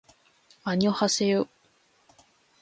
あにょはせよ